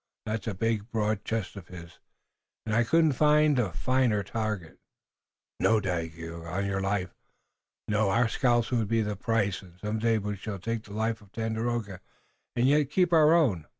That's a big, broad chest of his, and I couldn't find a finer target." "No, Dagaeoga, on your life, no! Our scalps would be the price, and some day we shall take the life of Tandakora and yet keep our own.